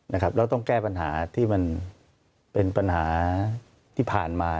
แล้วต้องแก้ปัญหาที่มันเป็นปัญหาที่ผ่านมา